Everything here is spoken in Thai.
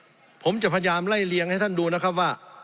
ผมจะพยายามไล่เลี่ยงให้ท่านดูนะครับว่า